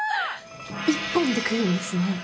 １本でくるんですね。